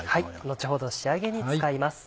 後ほど仕上げに使います。